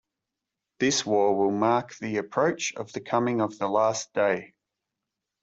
This war will mark the approach of the coming of the Last Day.